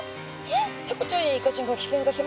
えっ。